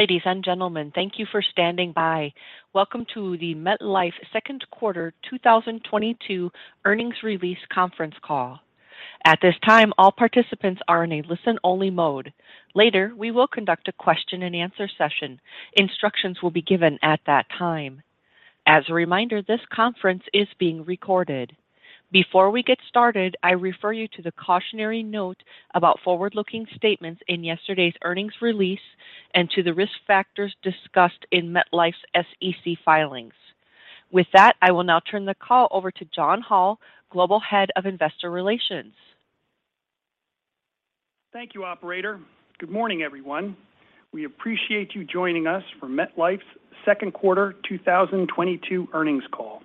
Ladies and gentlemen, thank you for standing by. Welcome to the MetLife Q2 2022 earnings release conference call. At this time, all participants are in a listen-only mode. Later, we will conduct a question-and-answer session. Instructions will be given at that time. As a reminder, this conference is being recorded. Before we get started, I refer you to the cautionary note about forward-looking statements in yesterday's earnings release and to the risk factors discussed in MetLife's SEC filings. With that, I will now turn the call over to John Hall, Global Head of Investor Relations. Thank you, operator. Good morning, everyone. We appreciate you joining us for MetLife's Q2 2022 earnings call.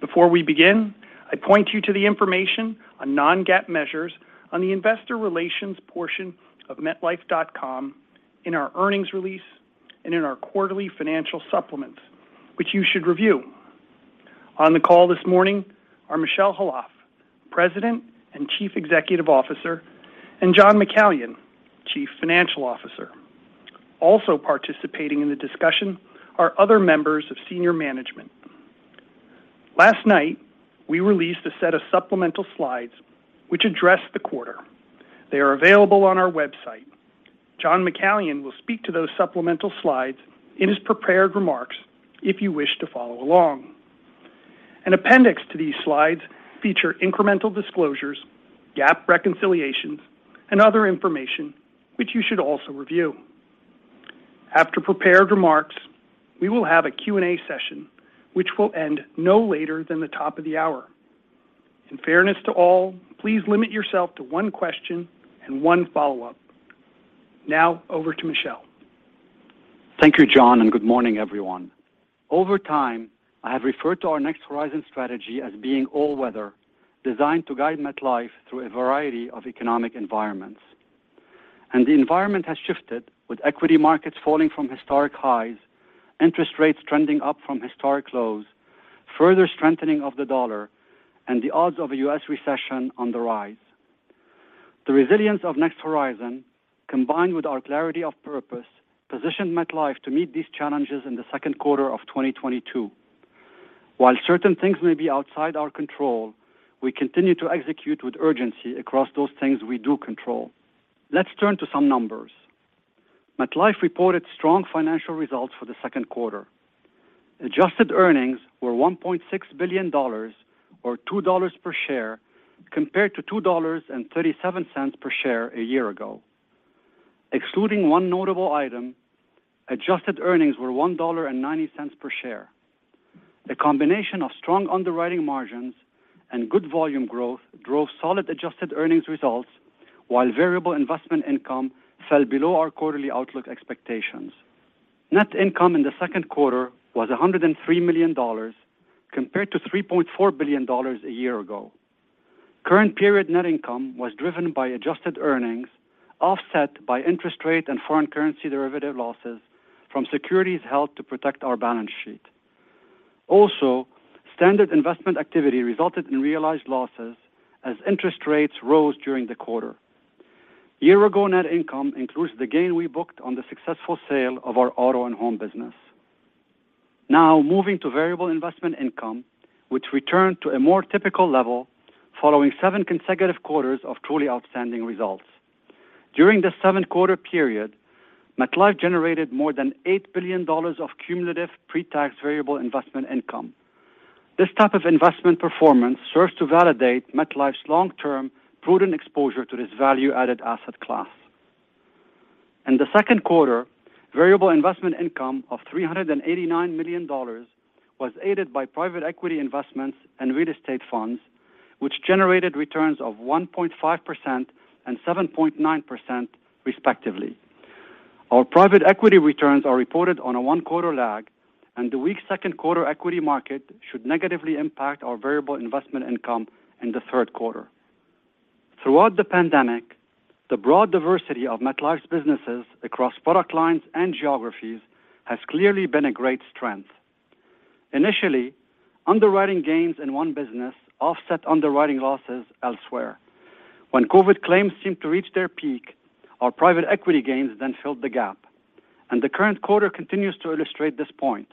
Before we begin, I point you to the information on non-GAAP measures on the investor relations portion of metlife.com in our earnings release and in our quarterly financial supplements, which you should review. On the call this morning are Michel Khalaf, President and Chief Executive Officer, and John McCallion, Chief Financial Officer. Also participating in the discussion are other members of senior management. Last night, we released a set of supplemental slides which address the quarter. They are available on our website. John McCallion will speak to those supplemental slides in his prepared remarks if you wish to follow along. An appendix to these slides feature incremental disclosures, GAAP reconciliations, and other information which you should also review. After prepared remarks, we will have a Q&A session which will end no later than the top of the hour. In fairness to all, please limit yourself to one question and one follow-up. Now over to Michel. Thank you, John, and good morning, everyone. Over time, I have referred to our Next Horizon strategy as being all-weather, designed to guide MetLife through a variety of economic environments, and the environment has shifted with equity markets falling from historic highs, interest rates trending up from historic lows, further strengthening of the dollar, and the odds of a U.S. recession on the rise. The resilience of Next Horizon, combined with our clarity of purpose, positioned MetLife to meet these challenges in the Q2 of 2022. While certain things may be outside our control, we continue to execute with urgency across those things we do control. Let's turn to some numbers. MetLife reported strong financial results for the Q2. Adjusted earnings were $1.6 billion or $2 per share compared to $2.37 per share a year ago. Excluding one notable item, adjusted earnings were $1.90 per share. The combination of strong underwriting margins and good volume growth drove solid adjusted earnings results, while variable investment income fell below our quarterly outlook expectations. Net income in the Q2 was $103 million compared to $3.4 billion a year ago. Current period net income was driven by adjusted earnings offset by interest rate and foreign currency derivative losses from securities held to protect our balance sheet. Standard investment activity resulted in realized losses as interest rates rose during the quarter. Year-ago net income includes the gain we booked on the successful sale of our auto and home business. Now moving to variable investment income, which returned to a more typical level following seven consecutive quarters of truly outstanding results. During the seven-quarter period, MetLife generated more than $8 billion of cumulative pre-tax variable investment income. This type of investment performance serves to validate MetLife's long-term prudent exposure to this value-added asset class. In the Q2, variable investment income of $389 million was aided by private equity investments and real estate funds, which generated returns of 1.5% and 7.9%, respectively. Our private equity returns are reported on a one-quarter lag, and the weak Q2 equity market should negatively impact our variable investment income in the Q3. Throughout the pandemic, the broad diversity of MetLife's businesses across product lines and geographies has clearly been a great strength. Initially, underwriting gains in one business offset underwriting losses elsewhere. When COVID claims seemed to reach their peak, our private equity gains then filled the gap, and the current quarter continues to illustrate this point.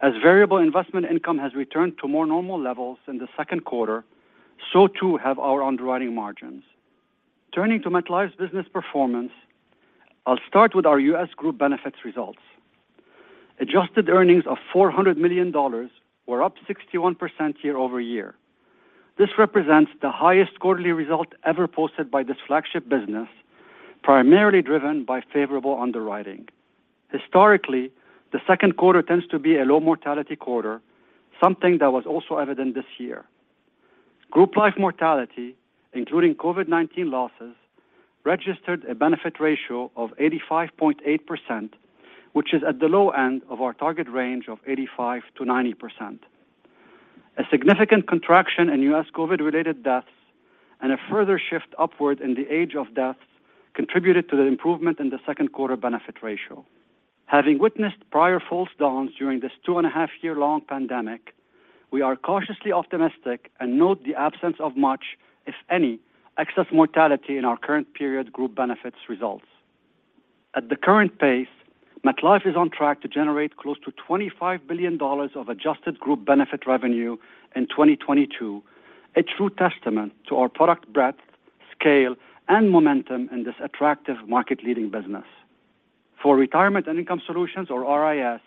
As variable investment income has returned to more normal levels in the Q2, so too have our underwriting margins. Turning to MetLife's business performance, I'll start with our U.S. Group Benefits results. Adjusted earnings of $400 million were up 61% year-over-year. This represents the highest quarterly result ever posted by this flagship business, primarily driven by favorable underwriting. Historically, the Q2 tends to be a low mortality quarter, something that was also evident this year. Group life mortality, including COVID-19 losses, registered a benefit ratio of 85.8%, which is at the low end of our target range of 85%-90%. A significant contraction in U.S. COVID-related deaths and a further shift upward in the age of deaths contributed to the improvement in the Q2 benefit ratio. Having witnessed prior false dawns during this two-and-a-half-year-long pandemic. We are cautiously optimistic and note the absence of much, if any, excess mortality in our current period Group Benefits results. At the current pace, MetLife is on track to generate close to $25 billion of adjusted Group Benefits revenue in 2022, a true testament to our product breadth, scale, and momentum in this attractive market-leading business. For Retirement and Income Solutions, or RIS,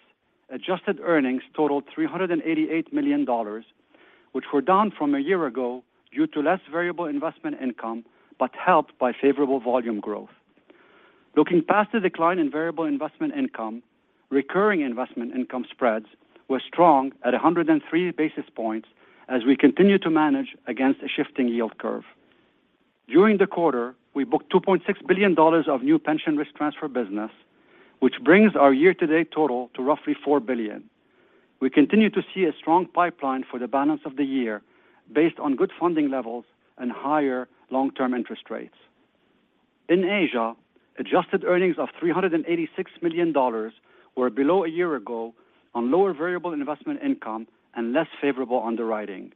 adjusted earnings totaled $388 million, which were down from a year ago due to less variable investment income, but helped by favorable volume growth. Looking past the decline in variable investment income, recurring investment income spreads were strong at 103 basis points as we continue to manage against a shifting yield curve. During the quarter, we booked $2.6 billion of new Pension Risk Transfer business, which brings our year-to-date total to roughly $4 billion. We continue to see a strong pipeline for the balance of the year based on good funding levels and higher long-term interest rates. In Asia, adjusted earnings of $386 million were below a year ago on lower variable investment income and less favorable underwriting.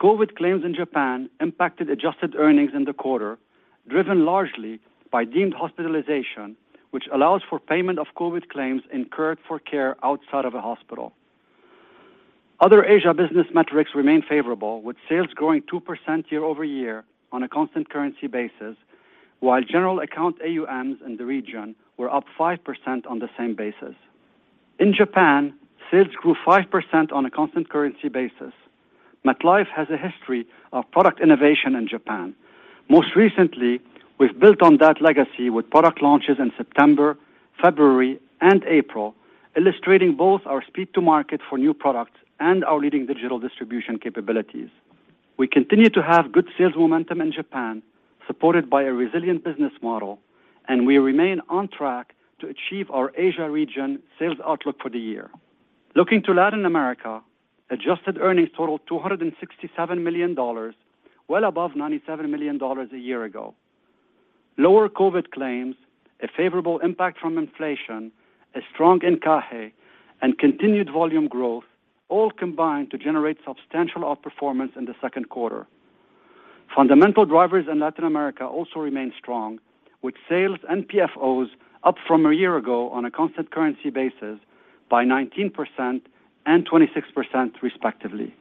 COVID claims in Japan impacted adjusted earnings in the quarter, driven largely by Deemed Hospitalization, which allows for payment of COVID claims incurred for care outside of a hospital. Other Asia business metrics remain favorable, with sales growing 2% year-over-year on a constant currency basis, while general account AUMs in the region were up 5% on the same basis. In Japan, sales grew 5% on a constant currency basis. MetLife has a history of product innovation in Japan. Most recently, we've built on that legacy with product launches in September, February, and April, illustrating both our speed to market for new products and our leading digital distribution capabilities. We continue to have good sales momentum in Japan, supported by a resilient business model, and we remain on track to achieve our Asia region sales outlook for the year. Looking to Latin America, adjusted earnings totaled $267 million, well above $97 million a year ago. Lower COVID claims, a favorable impact from inflation, a strong encaje, and continued volume growth all combined to generate substantial outperformance in the Q2. Fundamental drivers in Latin America also remain strong, with sales and PFOs up from a year ago on a constant currency basis by 19% and 26% respectively.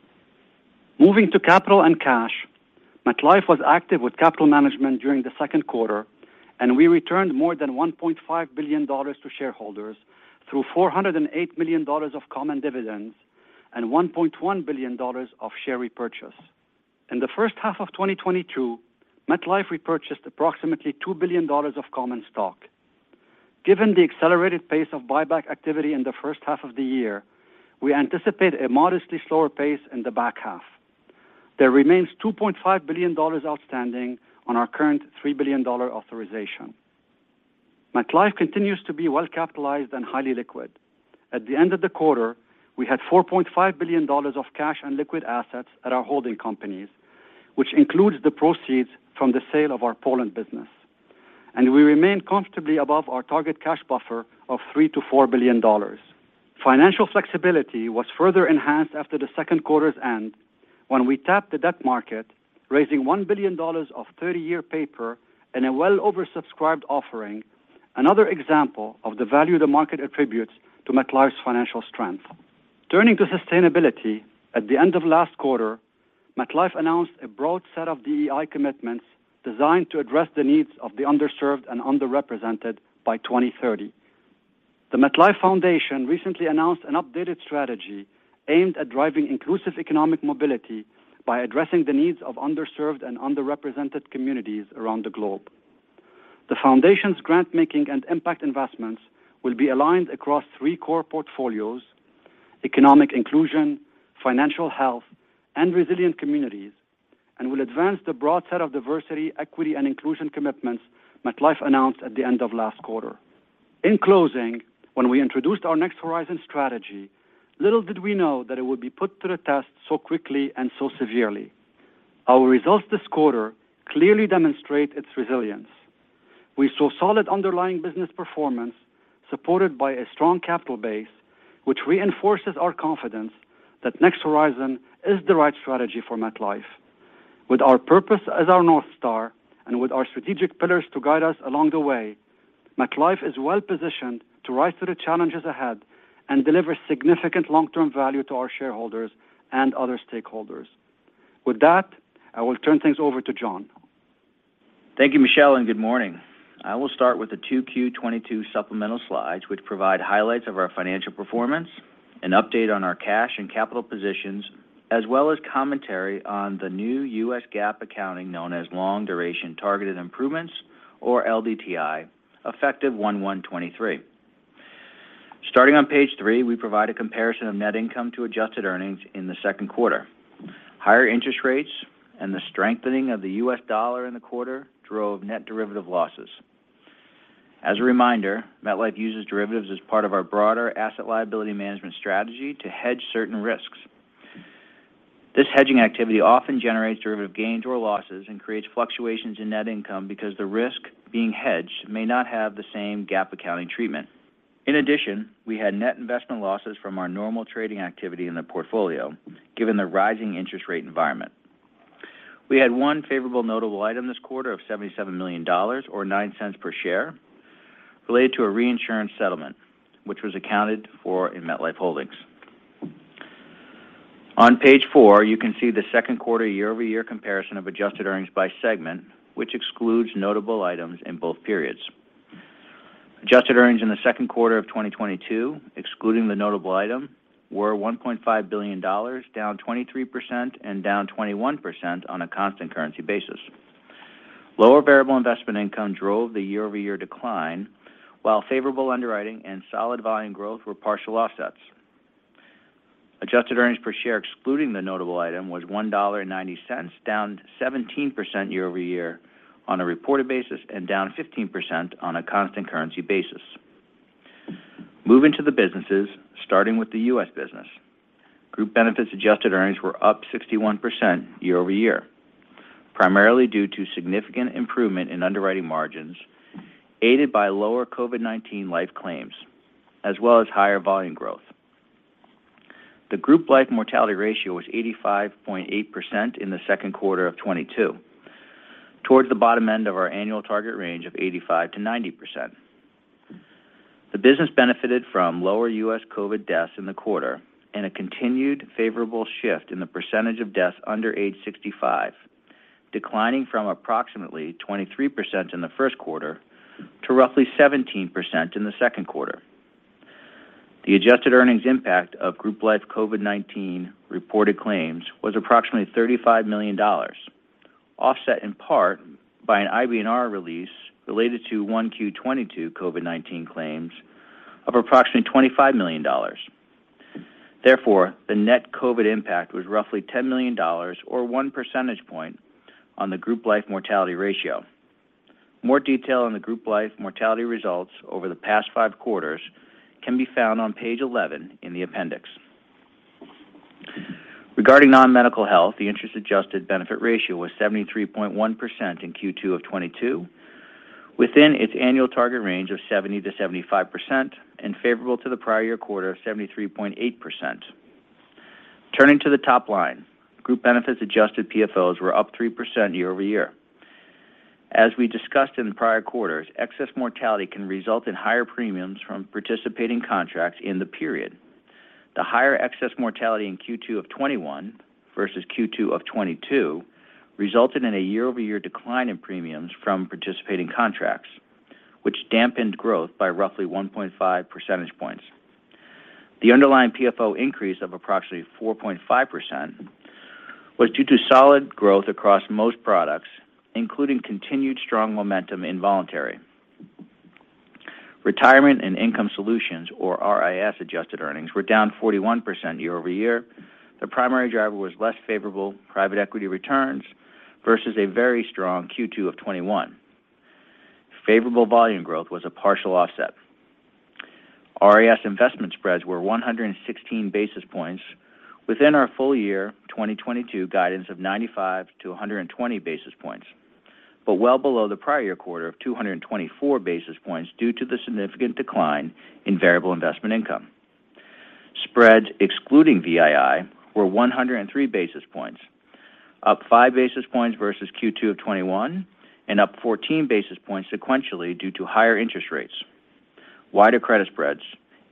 Moving to capital and cash, MetLife was active with capital management during the Q2, and we returned more than $1.5 billion to shareholders through $408 million of common dividends and $1.1 billion of share repurchase. In the first half of 2022, MetLife repurchased approximately $2 billion of common stock. Given the accelerated pace of buyback activity in the first half of the year, we anticipate a modestly slower pace in the back half. There remains $2.5 billion outstanding on our current $3 billion authorization. MetLife continues to be well-capitalized and highly liquid. At the end of the quarter, we had $4.5 billion of cash and liquid assets at our holding companies, which includes the proceeds from the sale of our Poland business. And we remain comfortably above our target cash buffer of $3 billion-$4 billion. Financial flexibility was further enhanced after the Q2's end when we tapped the debt market, raising $1 billion of 30-year paper in a well oversubscribed offering, another example of the value the market attributes to MetLife's financial strength. Turning to sustainability, at the end of last quarter, MetLife announced a broad set of DEI commitments designed to address the needs of the underserved and underrepresented by 2030. The MetLife Foundation recently announced an updated strategy aimed at driving inclusive economic mobility by addressing the needs of underserved and underrepresented communities around the globe. The foundation's grant-making and impact investments will be aligned across three core portfolios, economic inclusion, financial health, and resilient communities, and will advance the broad set of diversity, equity, and inclusion commitments MetLife announced at the end of last quarter. In closing, when we introduced our Next Horizon strategy, little did we know that it would be put to the test so quickly and so severely. Our results this quarter clearly demonstrate its resilience. We saw solid underlying business performance supported by a strong capital base, which reinforces our confidence that Next Horizon is the right strategy for MetLife. With our purpose as our North Star and with our strategic pillars to guide us along the way, MetLife is well-positioned to rise to the challenges ahead and deliver significant long-term value to our shareholders and other stakeholders. With that, I will turn things over to John. Thank you, Michel, and good morning. I will start with the Q2 2022 supplemental slides, which provide highlights of our financial performance, an update on our cash and capital positions, as well as commentary on the new U.S. GAAP accounting known as Long Duration Targeted Improvements or LDTI, effective 1/1/2023. Starting on page three, we provide a comparison of net income to adjusted earnings in the Q2. Higher interest rates and the strengthening of the U.S. dollar in the quarter drove net derivative losses. As a reminder, MetLife uses derivatives as part of our broader asset liability management strategy to hedge certain risks. This hedging activity often generates derivative gains or losses and creates fluctuations in net income because the risk being hedged may not have the same GAAP accounting treatment. In addition, we had net investment losses from our normal trading activity in the portfolio, given the rising interest rate environment. We had one favorable notable item this quarter of $77 million, or $0.09 per share, related to a reinsurance settlement, which was accounted for in MetLife Holdings. On page four, you can see the Q2 year-over-year comparison of adjusted earnings by segment, which excludes notable items in both periods. Adjusted earnings in the Q2 of 2022, excluding the notable item, were $1.5 billion, down 23% and down 21% on a constant currency basis. Lower variable investment income drove the year-over-year decline, while favorable underwriting and solid volume growth were partial offsets. Adjusted earnings per share, excluding the notable item, was $1.90, down 17% year-over-year on a reported basis and down 15% on a constant currency basis. Moving to the businesses, starting with the U.S. business. Group Benefits adjusted earnings were up 61% year-over-year, primarily due to significant improvement in underwriting margins, aided by lower COVID-19 life claims, as well as higher volume growth. The group life mortality ratio was 85.8% in the Q2 of 2022, towards the bottom end of our annual target range of 85%-90%. The business benefited from lower U.S. COVID deaths in the quarter and a continued favorable shift in the percentage of deaths under age 65, declining from approximately 23% in the Q1 to roughly 17% in the Q2. The adjusted earnings impact of group life COVID-19 reported claims was approximately $35 million, offset in part by an IBNR release related to one Q22 COVID-19 claims of approximately $25 million. Therefore, the net COVID impact was roughly $10 million or one percentage point on the group life mortality ratio. More detail on the group life mortality results over the past five quarters can be found on page 11 in the appendix. Regarding non-medical health, the interest adjusted benefit ratio was 73.1% in Q2 2022, within its annual target range of 70%-75% and favorable to the prior year quarter of 73.8%. Turning to the top line, group benefits adjusted PFOs were up 3% year-over-year. As we discussed in the prior quarters, excess mortality can result in higher premiums from participating contracts in the period. The higher excess mortality in Q2 of 2021 versus Q2 of 2022 resulted in a year-over-year decline in premiums from participating contracts, which dampened growth by roughly 1.5 percentage points. The underlying PFO increase of approximately 4.5% was due to solid growth across most products, including continued strong momentum in voluntary. Retirement and Income Solutions, or RIS adjusted earnings, were down 41% year-over-year. The primary driver was less favorable private equity returns versus a very strong Q2 of 2021. Favorable volume growth was a partial offset. RIS investment spreads were 116 basis points within our full year 2022 guidance of 95-120 basis points, but well below the prior year quarter of 224 basis points due to the significant decline in variable investment income. Spreads excluding VII were 103 basis points, up five basis points versus Q2 of 2021 and up 14 basis points sequentially due to higher interest rates, wider credit spreads,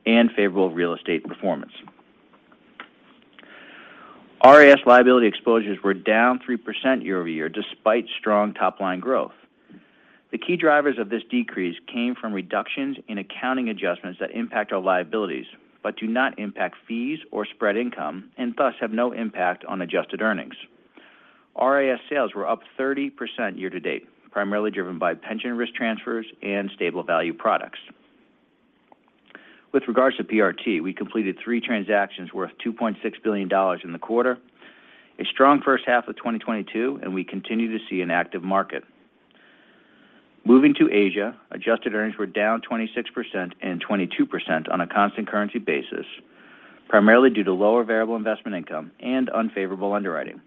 and favorable real estate performance. RIS liability exposures were down 3% year-over-year despite strong top-line growth. The key drivers of this decrease came from reductions in accounting adjustments that impact our liabilities but do not impact fees or spread income and thus have no impact on adjusted earnings. RIS sales were up 30% year-to-date, primarily driven by pension risk transfers and stable value products. With regards to PRT, we completed three transactions worth $2.6 billion in the quarter, a strong first half of 2022, and we continue to see an active market. Moving to Asia, adjusted earnings were down 26% and 22% on a constant currency basis, primarily due to lower variable investment income and unfavorable underwriting.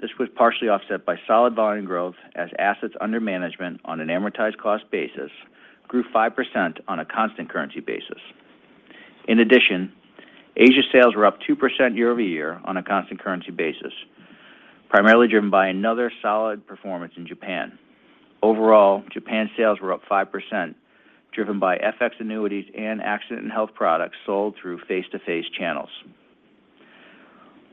This was partially offset by solid volume growth as assets under management on an amortized cost basis grew 5% on a constant currency basis. In addition, Asia sales were up 2% year-over-year on a constant currency basis, primarily driven by another solid performance in Japan. Overall, Japan sales were up 5%, driven by FX annuities and Accident and Health products sold through face-to-face channels.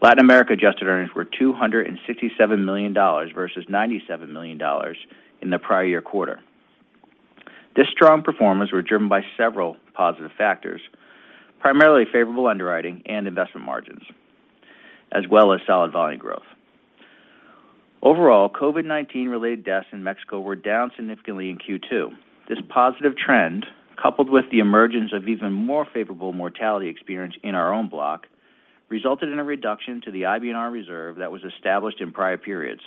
Latin America adjusted earnings were $267 million versus $97 million in the prior year quarter. This strong performance was driven by several positive factors, primarily favorable underwriting and investment margins, as well as solid volume growth. Overall, COVID-19 related deaths in Mexico were down significantly in Q2. This positive trend, coupled with the emergence of even more favorable mortality experience in our own block, resulted in a reduction to the IBNR reserve that was established in prior periods.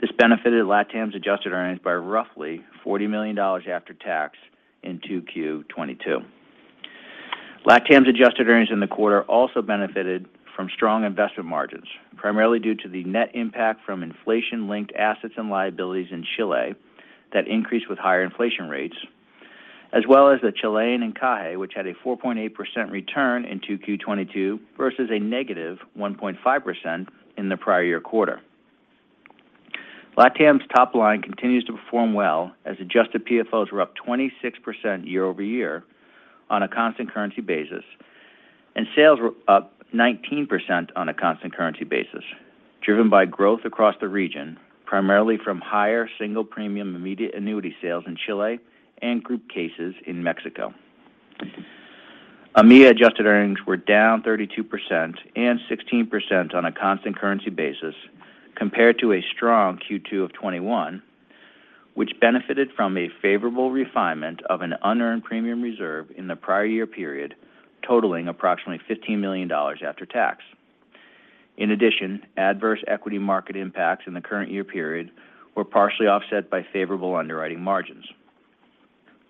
This benefited Latam's adjusted earnings by roughly $40 million after tax in 2Q 2022. Latam's adjusted earnings in the quarter also benefited from strong investment margins, primarily due to the net impact from inflation-linked assets and liabilities in Chile that increased with higher inflation rates, as well as the Chilean CPI, which had a 4.8% return in 2Q 2022 versus a -1.5% in the prior year quarter. Latin America's top line continues to perform well as adjusted PFOs were up 26% year-over-year on a constant currency basis, and sales were up 19% on a constant currency basis, driven by growth across the region, primarily from higher single premium immediate annuity sales in Chile and group cases in Mexico. EMEA adjusted earnings were down 32% and 16% on a constant currency basis compared to a strong Q2 of 2021, which benefited from a favorable refinement of an unearned premium reserve in the prior year period totaling approximately $15 million after tax. In addition, adverse equity market impacts in the current year period were partially offset by favorable underwriting margins.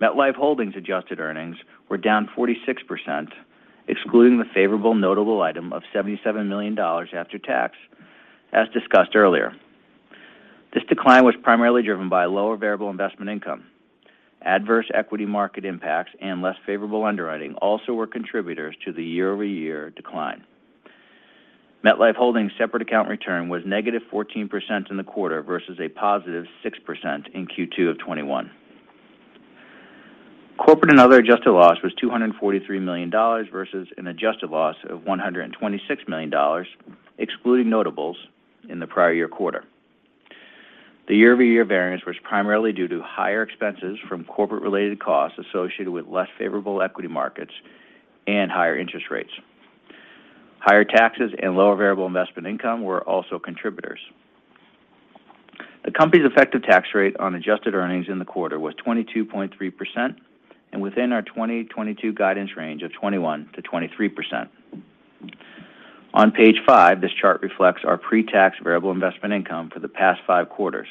MetLife Holdings adjusted earnings were down 46%, excluding the favorable notable item of $77 million after tax, as discussed earlier. This decline was primarily driven by lower variable investment income. Adverse equity market impacts and less favorable underwriting also were contributors to the year-over-year decline. MetLife Holdings separate account return was -14% in the quarter versus +6% in Q2 of 2021. Corporate and other adjusted loss was $243 million versus an adjusted loss of $126 million, excluding notables in the prior year quarter. The year-over-year variance was primarily due to higher expenses from corporate related costs associated with less favorable equity markets and higher interest rates. Higher taxes and lower variable investment income were also contributors. The company's effective tax rate on adjusted earnings in the quarter was 22.3% and within our 2022 guidance range of 21%-23%. On page five, this chart reflects our pre-tax variable investment income for the past five quarters,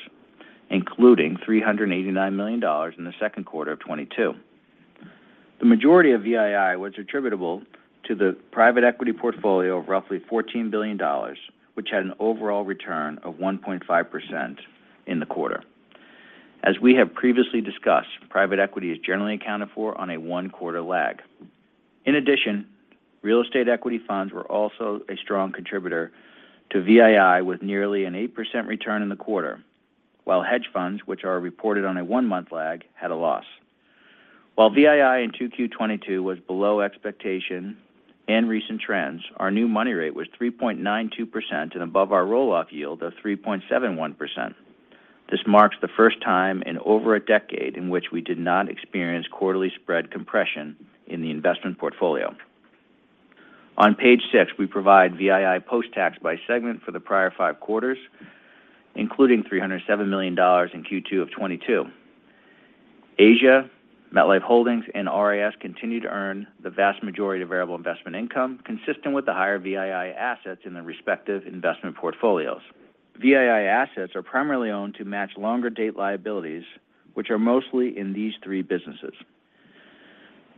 including $389 million in the Q2 of 2022. The majority of VII was attributable to the private equity portfolio of roughly $14 billion, which had an overall return of 1.5% in the quarter. As we have previously discussed, private equity is generally accounted for on a one-quarter lag. In addition, real estate equity funds were also a strong contributor to VII with nearly an 8% return in the quarter, while hedge funds, which are reported on a one-month lag, had a loss. While VII in 2Q 2022 was below expectation and recent trends, our new money rate was 3.92% and above our roll-off yield of 3.71%. This marks the first time in over a decade in which we did not experience quarterly spread compression in the investment portfolio. On page six, we provide VII post-tax by segment for the prior five quarters, including $307 million in Q2 of 2022. Asia, MetLife Holdings, and RIS continue to earn the vast majority of variable investment income, consistent with the higher VII assets in the respective investment portfolios. VII assets are primarily owned to match longer date liabilities, which are mostly in these three businesses.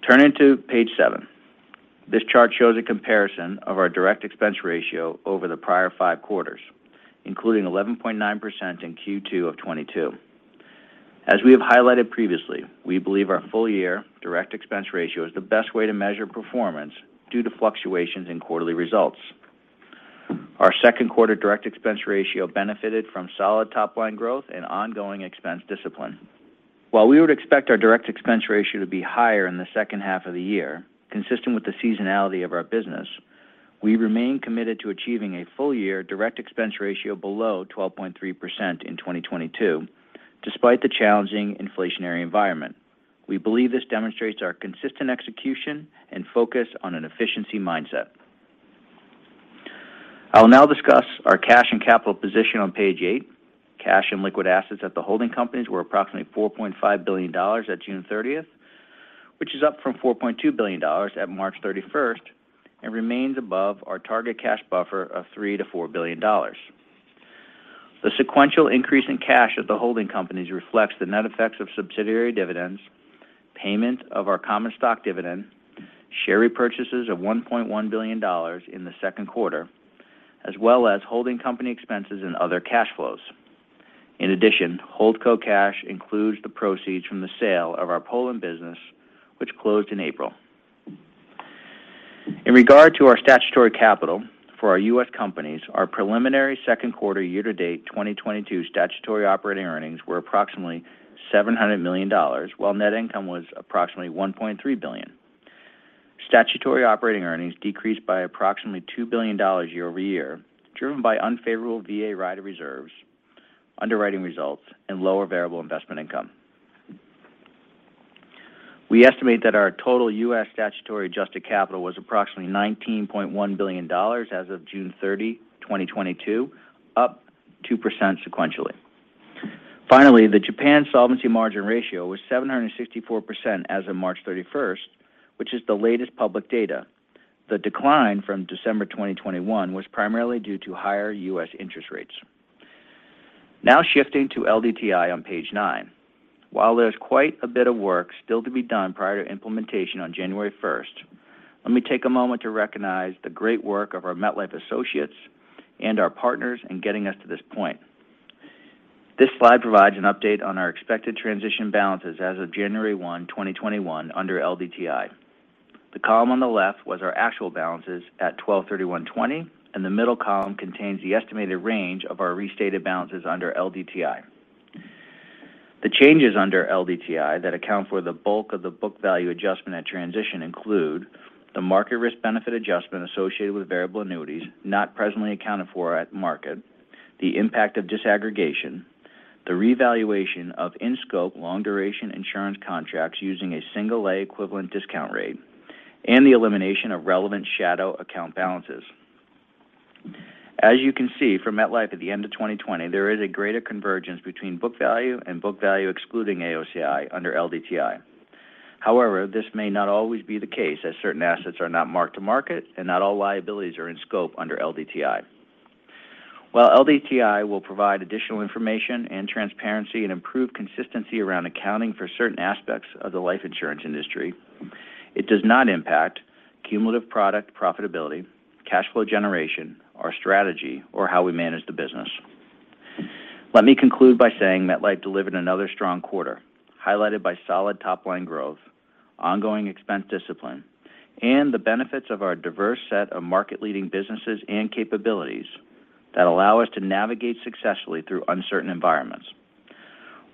Turning to page seven, this chart shows a comparison of our direct expense ratio over the prior five quarters, including 11.9% in Q2 of 2022. As we have highlighted previously, we believe our full-year direct expense ratio is the best way to measure performance due to fluctuations in quarterly results. Our Q2 direct expense ratio benefited from solid top-line growth and ongoing expense discipline. While we would expect our direct expense ratio to be higher in the second half of the year, consistent with the seasonality of our business, we remain committed to achieving a full-year direct expense ratio below 12.3% in 2022, despite the challenging inflationary environment. We believe this demonstrates our consistent execution and focus on an efficiency mindset. I will now discuss our cash and capital position on page eight. Cash and liquid assets at the holding companies were approximately $4.5 billion at June 30th, which is up from $4.2 billion at March 31st and remains above our target cash buffer of $3-$4 billion. The sequential increase in cash at the holding companies reflects the net effects of subsidiary dividends, payment of our common stock dividend, share repurchases of $1.1 billion in the Q2, as well as holding company expenses and other cash flows. In addition, HoldCo cash includes the proceeds from the sale of our Poland business, which closed in April. In regard to our statutory capital for our U.S. companies, our preliminary Q2 year-to-date 2022 statutory operating earnings were approximately $700 million, while net income was approximately $1.3 billion. Statutory operating earnings decreased by approximately $2 billion year-over-year, driven by unfavorable VA rider reserves, underwriting results, and lower variable investment income. We estimate that our total U.S. statutory adjusted capital was approximately $19.1 billion as of June 30, 2022, up 2% sequentially. Finally, the Japan solvency margin ratio was 764% as of March 31, which is the latest public data. The decline from December 2021 was primarily due to higher U.S. interest rates. Now shifting to LDTI on page nine. While there's quite a bit of work still to be done prior to implementation on January 1, let me take a moment to recognize the great work of our MetLife associates and our partners in getting us to this point. This slide provides an update on our expected transition balances as of January 1, 2021 under LDTI. The column on the left was our actual balances at 12/31/2020, and the middle column contains the estimated range of our restated balances under LDTI. The changes under LDTI that account for the bulk of the book value adjustment at transition include the market risk benefit adjustment associated with variable annuities not presently accounted for at market, the impact of disaggregation, the revaluation of in-scope long duration insurance contracts using a single A equivalent discount rate, and the elimination of relevant shadow account balances. As you can see, for MetLife at the end of 2020, there is a greater convergence between book value and book value excluding AOCI under LDTI. However, this may not always be the case as certain assets are not marked to market, and not all liabilities are in scope under LDTI. While LDTI will provide additional information and transparency and improve consistency around accounting for certain aspects of the life insurance industry, it does not impact cumulative product profitability, cash flow generation, our strategy, or how we manage the business. Let me conclude by saying MetLife delivered another strong quarter, highlighted by solid top line growth, ongoing expense discipline, and the benefits of our diverse set of market-leading businesses and capabilities that allow us to navigate successfully through uncertain environments.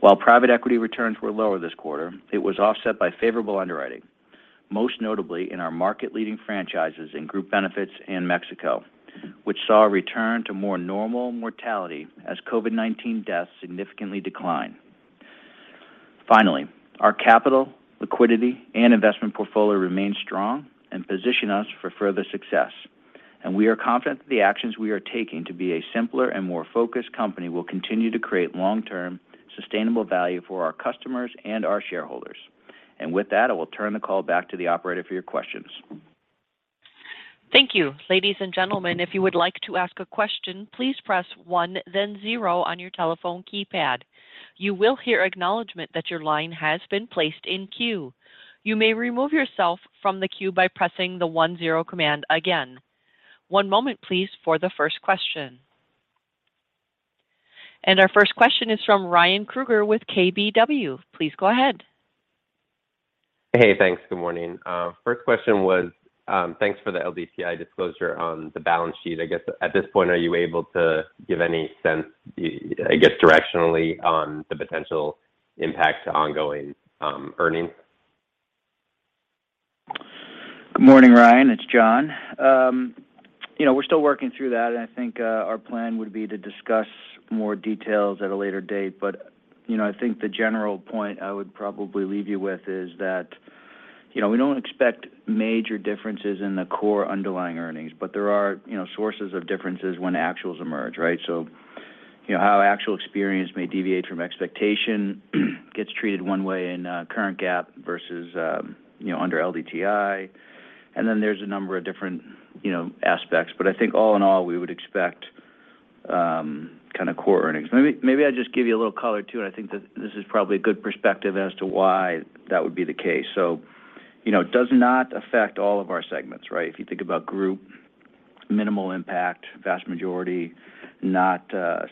While private equity returns were lower this quarter, it was offset by favorable underwriting, most notably in our market-leading franchises in Group Benefits and Mexico, which saw a return to more normal mortality as COVID-19 deaths significantly decline. Finally, our capital, liquidity, and investment portfolio remain strong and position us for further success. And we are confident that the actions we are taking to be a simpler and more focused company will continue to create long-term sustainable value for our customers and our shareholders. And with that, I will turn the call back to the operator for your questions. Thank you. Ladies and gentlemen, if you would like to ask a question, please press one, then zero on your telephone keypad. You will hear acknowledgment that your line has been placed in queue. You may remove yourself from the queue by pressing the one zero command again. One moment, please, for the first question. And our first question is from Ryan Krueger with KBW. Please go ahead. Hey, thanks. Good morning. First question was, thanks for the LDTI disclosure on the balance sheet. I guess at this point, are you able to give any sense, I guess, directionally on the potential impact to ongoing earnings? Good morning, Ryan. It's John. You know, we're still working through that, and I think our plan would be to discuss more details at a later date. But, you know, I think the general point I would probably leave you with is that, you know, we don't expect major differences in the core underlying earnings, but there are, you know, sources of differences when actuals emerge, right? So, you know, how actual experience may deviate from expectation gets treated one way in current GAAP versus, you know, under LDTI. And there's a number of different, you know, aspects. But I think all in all, we would expect kind of core earnings. Maybe I just give you a little color, too, and I think that this is probably a good perspective as to why that would be the case. So, you know, it does not affect all of our segments, right? If you think about group, minimal impact, vast majority not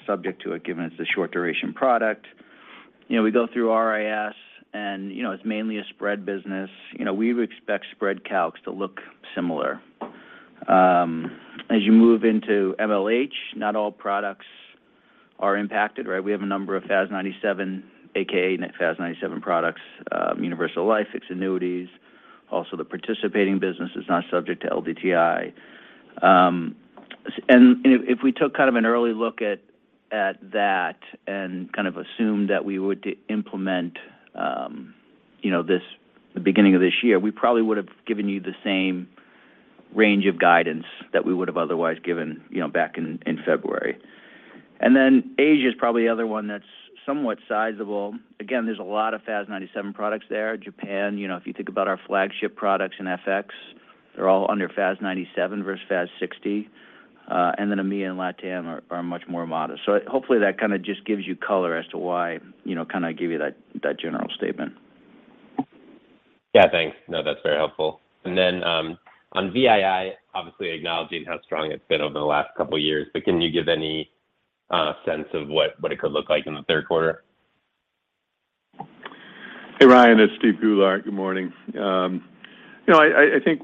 subject to it, given it's a short duration product. You know, we go through RIS and, you know, it's mainly a spread business. You know, we would expect spread calcs to look similar. As you move into MLH, not all products are impacted, right? We have a number of FAS 97, a.k.a. FAS 97 products, Universal Life, Fixed Annuities. Also, the participating business is not subject to LDTI. And if we took kind of an early look at that and kind of assumed that we would implement the beginning of this year, we probably would have given you the same range of guidance that we would have otherwise given, you know, back in February. And then Asia is probably the other one that's somewhat sizable. Again, there's a lot of FAS 97 products there. Japan, you know, if you think about our flagship products in FX, they're all under FAS 97 versus FAS 60. EMEA and LATAM are much more modest. Hopefully that kind of just gives you color as to why, you know, kind of give you that general statement. Yeah, thanks. No, that's very helpful. And then on VII, obviously acknowledging how strong it's been over the last couple of years, but can you give any sense of what it could look like in the Q3? Hey, Ryan, it's Steve Goulart. Good morning. You know, I think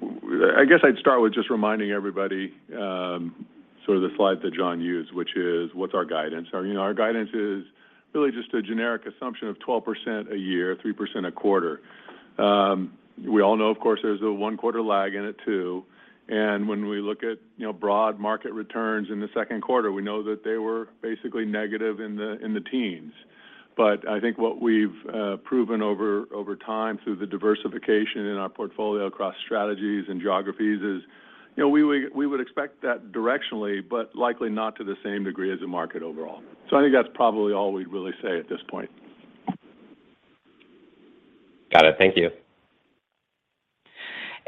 I guess I'd start with just reminding everybody sort of the slide that John used, which is what's our guidance. Our you know, our guidance is really just a generic assumption of 12% a year, 3% a quarter. We all know, of course, there's a one-quarter lag in it, too. And when we look at you know, broad market returns in the Q2, we know that they were basically negative in the teens. But I think what we've proven over time through the diversification in our portfolio across strategies and geographies is you know, we would expect that directionally, but likely not to the same degree as the market overall. So I think that's probably all we'd really say at this point. Got it. Thank you.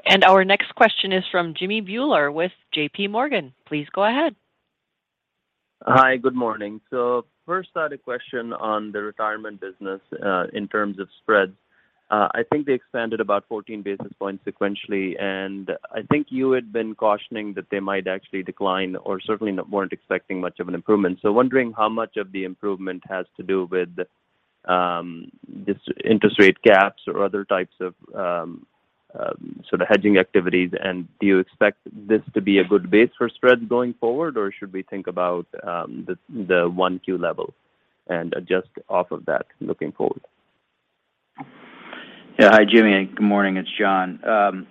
And our next question is from Jimmy Bhullar with J.P. Morgan. Please go ahead. Hi, good morning. So first I had a question on the retirement business in terms of spreads. I think they expanded about 14 basis points sequentially, and I think you had been cautioning that they might actually decline or certainly not expecting much of an improvement. So wondering how much of the improvement has to do with this interest rate gaps or other types of sort of hedging activities. And do you expect this to be a good base for spreads going forward, or should we think about the 1Q level and adjust off of that looking forward? Yeah. Hi, Jimmy. Good morning. It's John.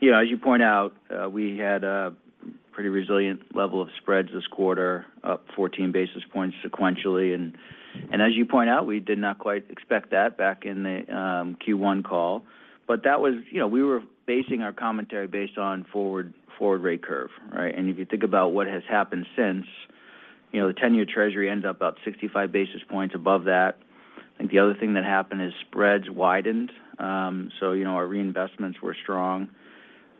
You know, as you point out, we had a pretty resilient level of spreads this quarter, up 14 basis points sequentially. And as you point out, we did not quite expect that back in the Q1 call, but that was. You know, we were basing our commentary based on forward rate curve, right? If you think about what has happened since, you know, the 10-year Treasury ends up about 65 basis points above that. I think the other thing that happened is spreads widened. So, you know, our reinvestments were strong.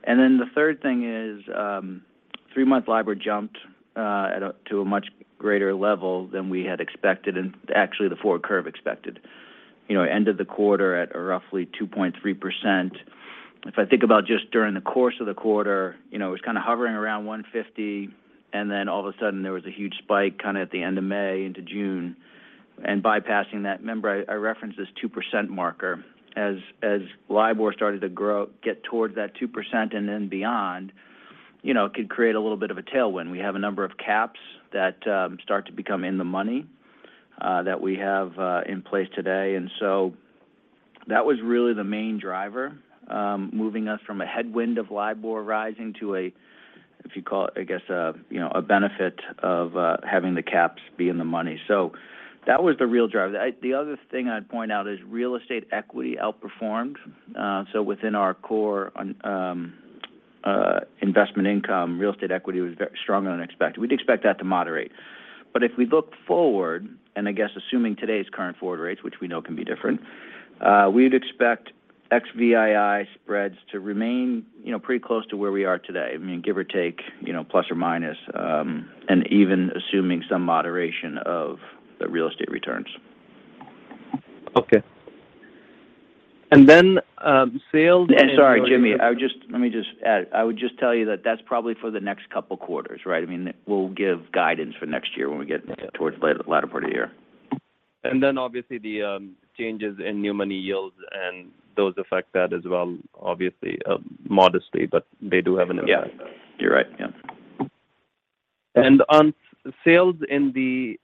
And then the third thing is, three-month LIBOR jumped to a much greater level than we had expected and actually the forward curve expected. You know, ended the quarter at roughly 2.3%. If I think about just during the course of the quarter, you know, it was kind of hovering around 1.50, and then all of a sudden there was a huge spike kind of at the end of May into June. Bypassing that, remember I referenced this 2% marker. As, as LIBOR started to get towards that 2% and then beyond, you know, it could create a little bit of a tailwind. We have a number of caps that start to become in the money, that we have in place today. And so that was really the main driver, moving us from a headwind of LIBOR rising to a, if you call it, I guess, a, you know, a benefit of having the caps be in the money. So that was the real driver. The other thing I'd point out is real estate equity outperformed. So within our core investment income, real estate equity was very strong than expected. We'd expect that to moderate. But if we look forward, and I guess assuming today's current forward rates, which we know can be different, we'd expect ex-VII spreads to remain, you know, pretty close to where we are today. I mean, give or take, you know, plus or minus, and even assuming some moderation of the real estate returns. Okay. And then... Sorry, Jimmy. Let me just add, I would just tell you that that's probably for the next couple quarters, right? I mean, we'll give guidance for next year when we get towards the latter part of the year. And then obviously, the changes in new money yields and those affect that as well, obviously modestly, but they do have an impact. Yeah. You're right. Yeah. And on sales in the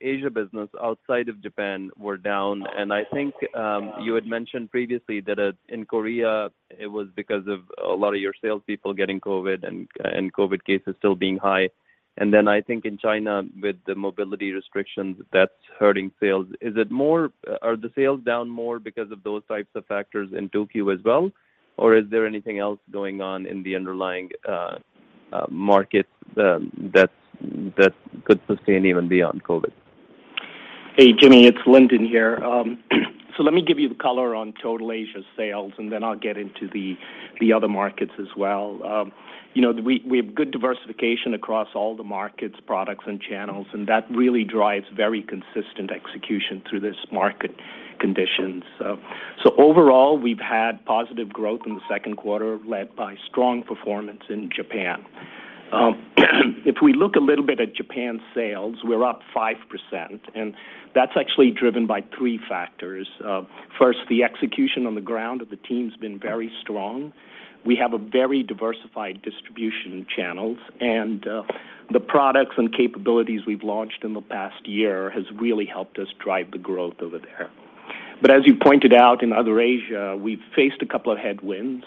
Asia business outside of Japan were down, and I think you had mentioned previously that in Korea it was because of a lot of your sales people getting COVID and COVID cases still being high. And then I think in China with the mobility restrictions, that's hurting sales. Is that more... Are the sales down more because of those types of factors in Tokyo as well, or is there anything else going on in the underlying markets that, that, that could sustain even beyond COVID? Hey, Jimmy, it's Lyndon here. Let me give you the color on total Asia sales, and then I'll get into the other markets as well. You know, we have good diversification across all the markets, products, and channels, and that really drives very consistent execution through this market conditions. So overall, we've had positive growth in the Q2, led by strong performance in Japan. If we look a little bit at Japan's sales, we're up 5%, and that's actually driven by three factors. First, the execution on the ground of the team's been very strong. We have a very diversified distribution channels, and the products and capabilities we've launched in the past year has really helped us drive the growth over there. But as you pointed out in other Asia, we've faced a couple of headwinds.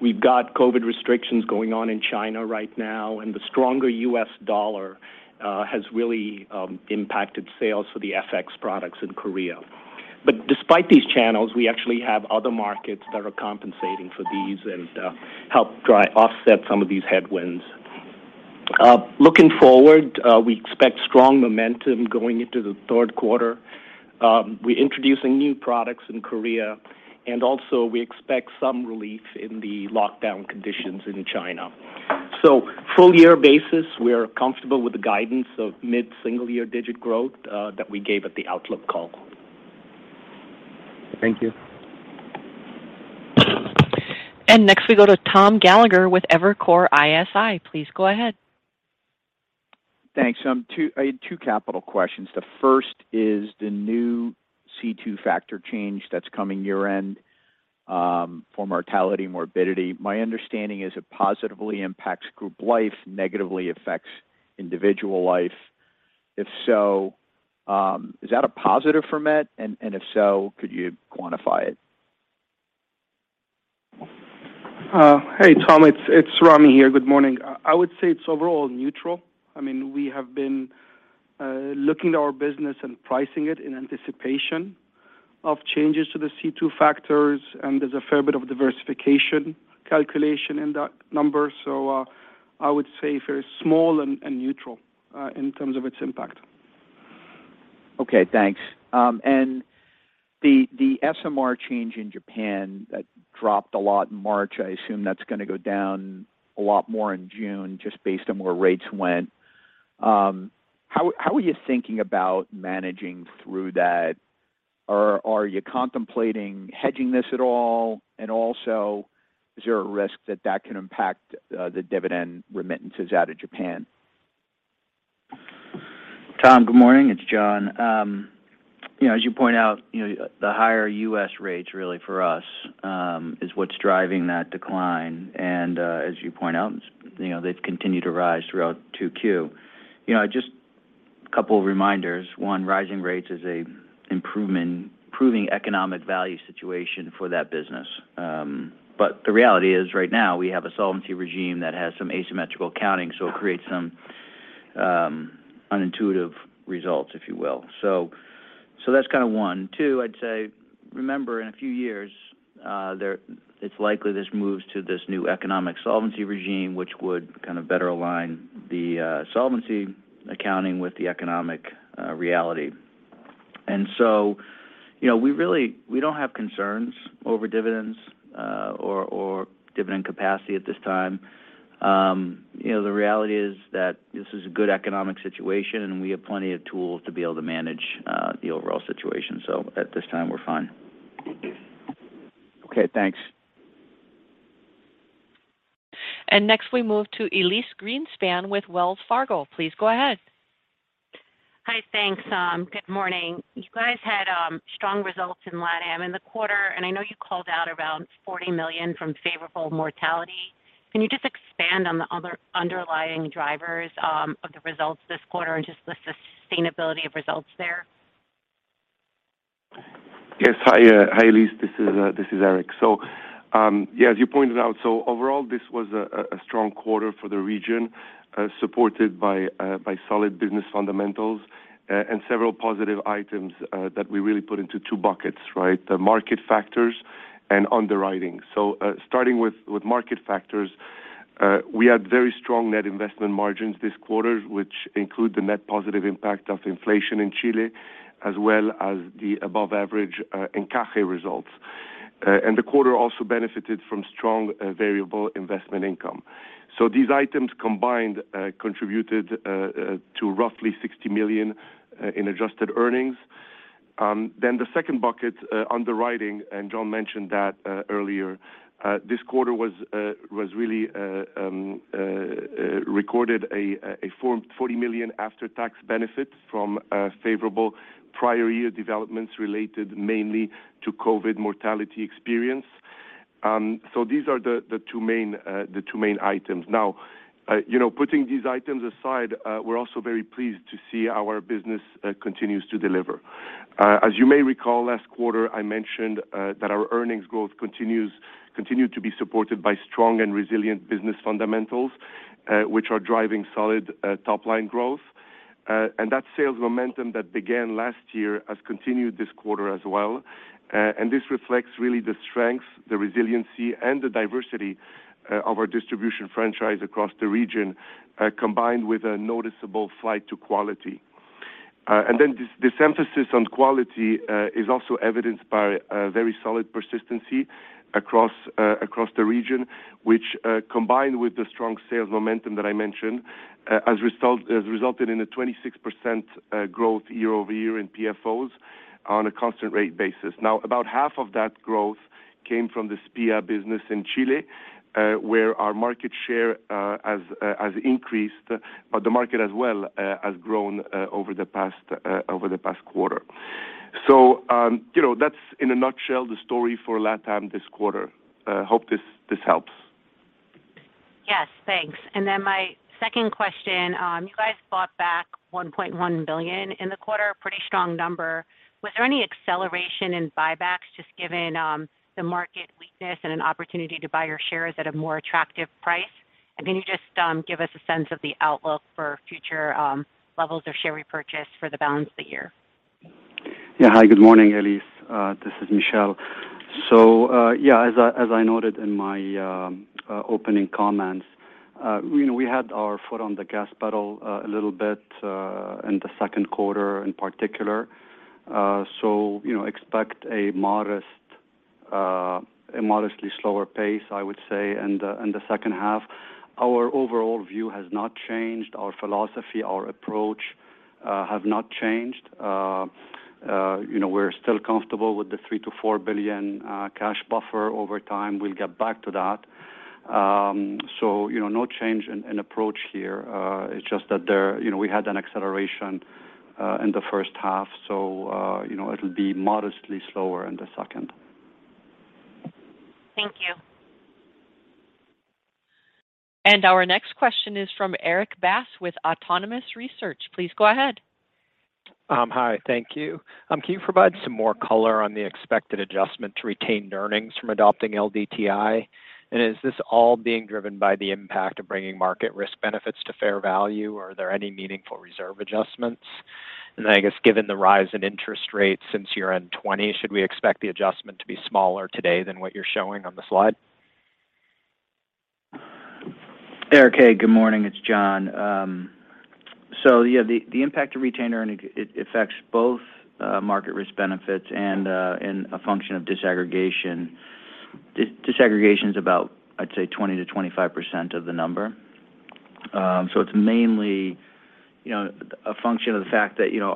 We've got COVID restrictions going on in China right now, and the stronger U.S. dollar has really impacted sales for the FX products in Korea. But despite these challenges, we actually have other markets that are compensating for these and offset some of these headwinds. Looking forward, we expect strong momentum going into the Q3. We're introducing new products in Korea, and also we expect some relief in the lockdown conditions in China. So full-year basis, we are comfortable with the guidance of mid-single-digit growth that we gave at the outlook call. Thank you. And next we go to Tom Gallagher with Evercore ISI. Please go ahead. Thanks. I had two capital questions. The first is the new C2 factor change that's coming year-end, for mortality morbidity. My understanding is it positively impacts group life, negatively affects individual life. If so, is that a positive for Met? And if so, could you quantify it? Hey, Tom. It's Ramy here. Good morning. I would say it's overall neutral. I mean, we have been looking at our business and pricing it in anticipation of changes to the C2 factors, and there's a fair bit of diversification calculation in that number. So, I would say very small and neutral in terms of its impact. Okay, thanks. And the, the SMR change in Japan, that dropped a lot in March. I assume that's going to go down a lot more in June just based on where rates went. How are you thinking about managing through that? Or are you contemplating hedging this at all? And also, is there a risk that can impact the dividend remittances out of Japan? Tom, good morning. It's John. You know, as you point out, you know, the higher U.S. rates really for us is what's driving that decline. And as you point out, you know, they've continued to rise throughout 2Q. You know, just a couple of reminders. One, rising rates is an improving economic value situation for that business. But the reality is right now we have a solvency regime that has some asymmetrical accounting, so it creates some unintuitive results, if you will. So that's kind of one. Two, I'd say remember in a few years, that it's likely this moves to this new economic solvency regime, which would kind of better align the solvency accounting with the economic reality. And so, you know, we don't have concerns over dividends, or dividend capacity at this time. You know, the reality is that this is a good economic situation, and we have plenty of tools to be able to manage the overall situation. At this time we're fine. Okay, thanks. Next we move to Elyse Greenspan with Wells Fargo. Please go ahead. Hi. Thanks. Good morning. You guys had strong results in LatAm in the quarter, and I know you called out around $40 million from favorable mortality. Can you just expand on the other underlying drivers of the results this quarter and just the sustainability of results there? Yes. Hi, Elyse, this is Eric. As you pointed out, overall this was a strong quarter for the region, supported by solid business fundamentals and several positive items that we really put into two buckets, right? The market factors and underwriting. So starting with market factors, we had very strong net investment margins this quarter, which include the net positive impact of inflation in Chile as well as the above average NCAR results. And the quarter also benefited from strong variable investment income. These items combined contributed to roughly $60 million in adjusted earnings. Then the second bucket, underwriting, and John mentioned that earlier, this quarter really recorded a $40 million after-tax benefit from favorable prior year developments related mainly to COVID mortality experience. So these are the two main items. Now, you know, putting these items aside, we're also very pleased to see our business continues to deliver. As you may recall, last quarter I mentioned that our earnings growth continued to be supported by strong and resilient business fundamentals, which are driving solid top line growth. And that sales momentum that began last year has continued this quarter as well. And this reflects really the strength, the resiliency, and the diversity of our distribution franchise across the region, combined with a noticeable flight to quality. And then this emphasis on quality is also evidenced by a very solid persistency across the region, which, combined with the strong sales momentum that I mentioned, has resulted in a 26% growth year-over-year in PFOs on a constant rate basis. Now, about half of that growth came from the SPIA business in Chile, where our market share has increased, but the market as well has grown over the past quarter. So, you know, that's in a nutshell the story for LatAm this quarter. Hope this helps. Yes, thanks. And then my second question. You guys bought back $1.1 billion in the quarter. Pretty strong number. Was there any acceleration in buybacks just given the market weakness and an opportunity to buy your shares at a more attractive price? And then can you just give us a sense of the outlook for future levels of share repurchase for the balance of the year? Hi. Good morning, Elyse. This is Michel. So, yeah, as I noted in my opening comments, you know, we had our foot on the gas pedal a little bit in the Q2 in particular. So, you know, expect a modestly slower pace, I would say in the second half. Our overall view has not changed. Our philosophy, our approach have not changed. You know, we're still comfortable with the $3 billion-$4 billion cash buffer over time. We'll get back to that. So, you know, no change in approach here. It's just that, you know, we had an acceleration in the first half, so you know, it'll be modestly slower in the second. Thank you. And our next question is from Erik Bass with Autonomous Research. Please go ahead. Hi. Thank you. Can you provide some more color on the expected adjustment to retained earnings from adopting LDTI? Is this all being driven by the impact of bringing market risk benefits to fair value, or are there any meaningful reserve adjustments? And I guess given the rise in interest rates since year-end 2020, should we expect the adjustment to be smaller today than what you're showing on the slide? Eric, hey, good morning. It's John. So, yeah, the impact of retainer and it affects both market risk benefits and it's a function of disaggregation. Disaggregation's about, I'd say, 20%-25% of the number. It's mainly, you know, a function of the fact that, you know,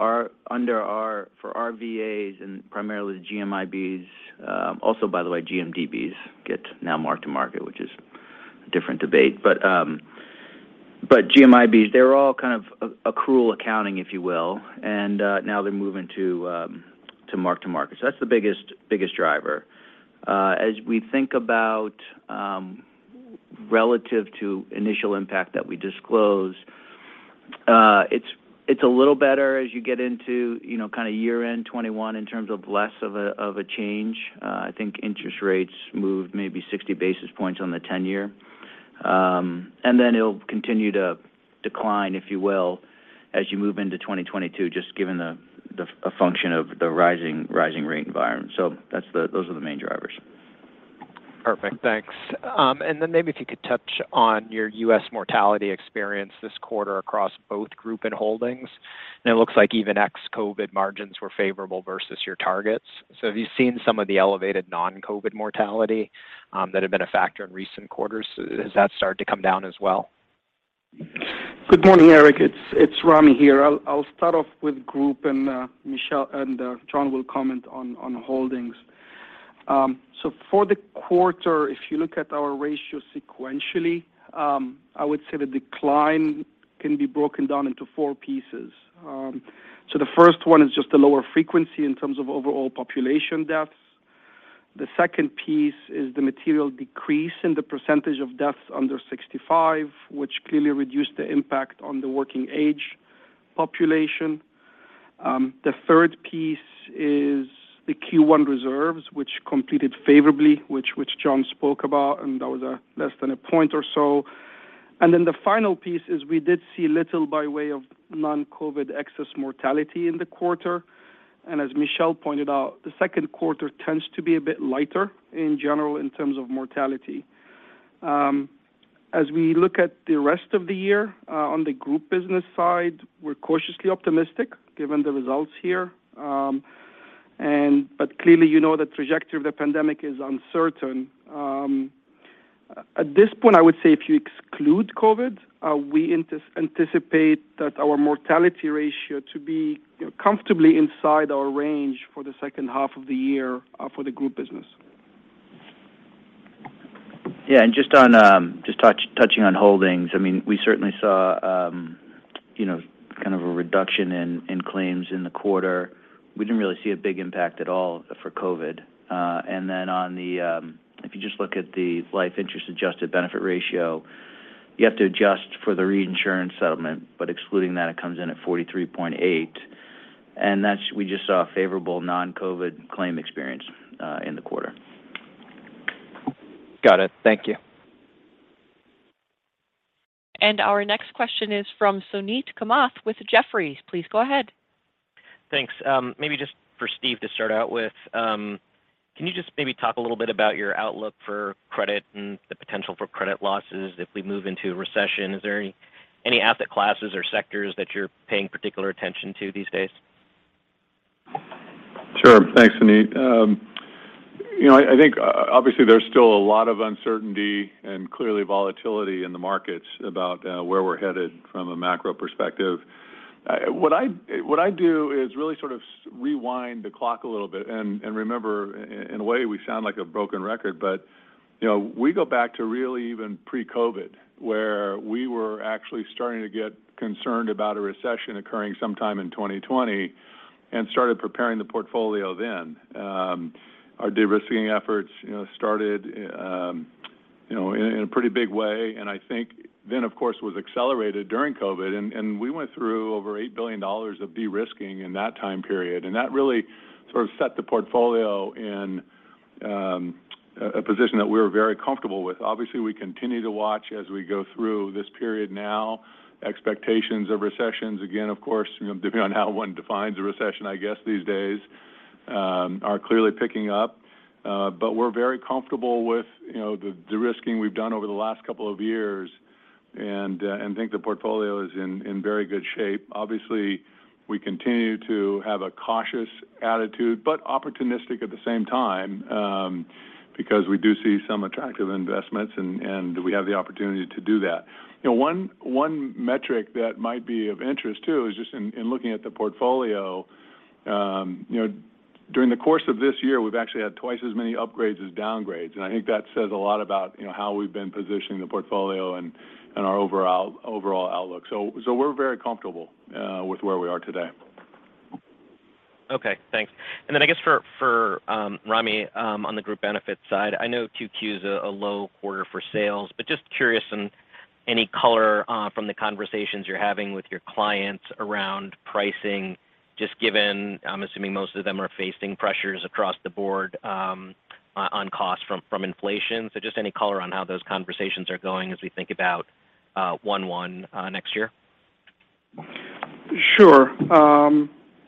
for our VAs and primarily the GMIBs, also by the way GMDBs get now mark-to-market, which is a different debate. But GMIBs, they're all kind of accrual accounting, if you will, and now they're moving to mark-to-market. That's the biggest driver. As we think about relative to initial impact that we disclose, it's a little better as you get into, you know, kind of year-end 2021 in terms of less of a change. I think interest rates moved maybe 60 basis points on the 10-year. Then it'll continue to decline, if you will, as you move into 2022, just given a function of the rising rate environment. So those are the main drivers. Perfect. Thanks. And then maybe if you could touch on your U.S. mortality experience this quarter across both Group and Holdings. It looks like even ex-COVID margins were favorable versus your targets. So have you seen some of the elevated non-COVID mortality, that have been a factor in recent quarters? Has that started to come down as well? Good morning, Eric. It's Ramy here. I'll start off with group and Michel and John will comment on holdings. So for the quarter, if you look at our ratio sequentially, I would say the decline can be broken down into four pieces. So the first one is just the lower frequency in terms of overall population deaths. The second piece is the material decrease in the percentage of deaths under 65, which clearly reduced the impact on the working age population. The third piece is the Q1 reserves, which completed favorably, which John spoke about, and that was less than a point or so. And then the final piece is we did see little by way of non-COVID excess mortality in the quarter. And as Michel pointed out, the Q2 tends to be a bit lighter in general in terms of mortality. As we look at the rest of the year, on the group business side, we're cautiously optimistic given the results here. And, but clearly, you know, the trajectory of the pandemic is uncertain. At this point, I would say if you exclude COVID, we anticipate that our mortality ratio to be, you know, comfortably inside our range for the second half of the year, for the group business. Yeah. And just touching on Holdings, I mean, we certainly saw, you know, kind of a reduction in claims in the quarter. We didn't really see a big impact at all for COVID. If you just look at the life interest-adjusted benefit ratio, you have to adjust for the reinsurance settlement. Excluding that, it comes in at 43.8%. We just saw a favorable non-COVID claim experience in the quarter. Got it. Thank you. And our next question is from Suneet Kamath with Jefferies. Please go ahead. Thanks. Maybe just for Steve to start out with, can you just maybe talk a little bit about your outlook for credit and the potential for credit losses if we move into a recession? Is there any asset classes or sectors that you're paying particular attention to these days? Sure. Thanks, Suneet. You know, I think obviously there's still a lot of uncertainty and clearly volatility in the markets about where we're headed from a macro perspective. What I, what I do is really sort of rewind the clock a little bit and remember, in a way, we sound like a broken record, but you know, we go back to really even pre-COVID, where we were actually starting to get concerned about a recession occurring sometime in 2020 and started preparing the portfolio then. Our de-risking efforts, you know, started in a pretty big way and I think then, of course, was accelerated during COVID. And we went through over $8 billion of de-risking in that time period. And that really sort of set the portfolio in a position that we were very comfortable with. Obviously, we continue to watch as we go through this period now. Expectations of recessions, again, of course, you know, depending on how one defines a recession, I guess these days, are clearly picking up. But we're very comfortable with, you know, the de-risking we've done over the last couple of years and think the portfolio is in very good shape. Obviously, we continue to have a cautious attitude, but opportunistic at the same time, because we do see some attractive investments and we have the opportunity to do that. You know, one, one metric that might be of interest too is just in looking at the portfolio, you know, during the course of this year, we've actually had twice as many upgrades as downgrades, and I think that says a lot about, you know, how we've been positioning the portfolio and our overall outlook. So, so we're very comfortable with where we are today. Okay. Thanks. And I guess for Ramy on the Group Benefits side, I know Q2 is a low quarter for sales, but just curious on any color from the conversations you're having with your clients around pricing, just given I'm assuming most of them are facing pressures across the board on cost from inflation. So just any color on how those conversations are going as we think about Q1 next year? Sure.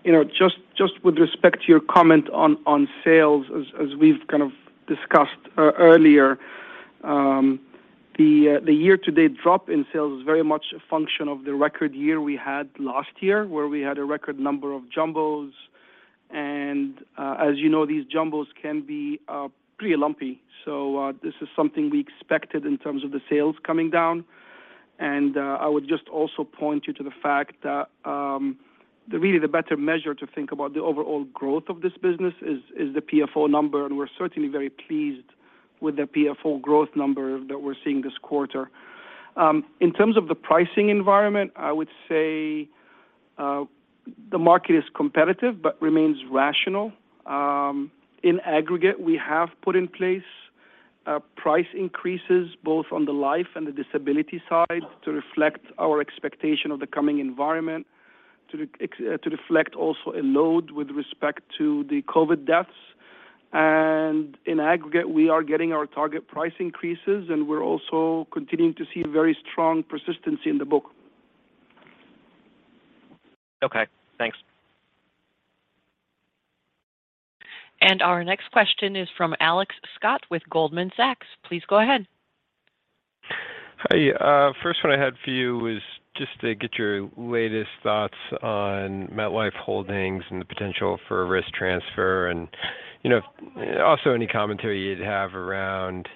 You know, just, just with respect to your comment on, on sales as we've kind of discussed earlier, the year-to-date drop in sales is very much a function of the record year we had last year, where we had a record number of jumbos. And as you know, these jumbos can be pretty lumpy. So this is something we expected in terms of the sales coming down. And I would just also point you to the fact that really the better measure to think about the overall growth of this business is the PFO number, and we're certainly very pleased with the PFO growth number that we're seeing this quarter. In terms of the pricing environment, I would say the market is competitive but remains rational. In aggregate, we have put in place price increases both on the life and the disability side to reflect our expectation of the coming environment, to reflect also a load with respect to the COVID deaths. And in aggregate, we are getting our target price increases, and we're also continuing to see very strong persistency in the book. Okay, thanks. And our next question is from Alex Scott with Goldman Sachs. Please go ahead. Hi. First one I had for you was just to get your latest thoughts on MetLife Holdings and the potential for risk transfer and, you know, also any commentary you'd have around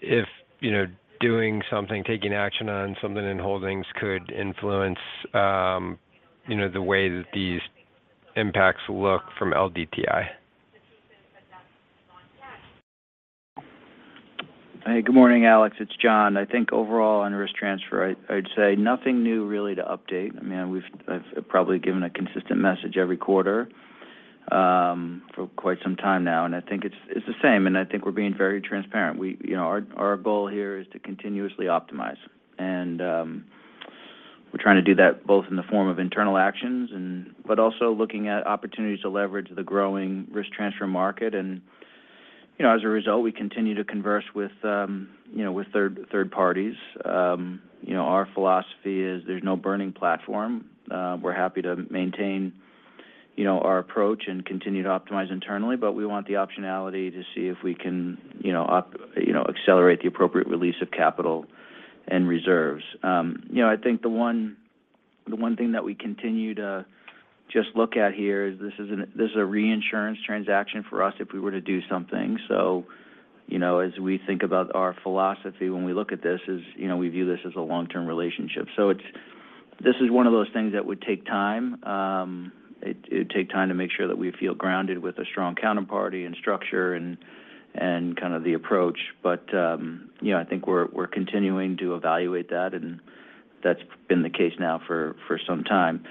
if, you know, doing something, taking action on something in holdings could influence, you know, the way that these impacts look from LDTI. Hey, good morning, Alex. It's John. I think overall on risk transfer, I'd say nothing new really to update. I mean, I've probably given a consistent message every quarter for quite some time now, and I think it's the same, and I think we're being very transparent. You know, our goal here is to continuously optimize. We're trying to do that both in the form of internal actions and but also looking at opportunities to leverage the growing risk transfer market. And, you know, as a result, we continue to converse with you know, with third parties. You know, our philosophy is there's no burning platform. We're happy to maintain, you know, our approach and continue to optimize internally, but we want the optionality to see if we can, you know, accelerate the appropriate release of capital and reserves. You know, I think the one thing that we continue to just look at here is this is a reinsurance transaction for us if we were to do something. So, you know, as we think about our philosophy when we look at this is, you know, we view this as a long-term relationship. So it's this is one of those things that would take time. It'd take time to make sure that we feel grounded with a strong counterparty and structure and kind of the approach. But, you know, I think we're continuing to evaluate that, and that's been the case now for some time.